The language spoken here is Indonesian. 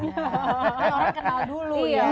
orang kenal dulu ya